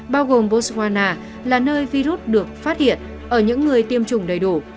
bao gồm boswana là nơi virus được phát hiện ở những người tiêm chủng đầy đủ